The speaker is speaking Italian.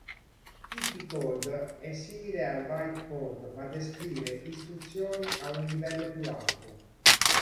Il P-Code è simile al bytecode ma descrive istruzioni a un livello più alto.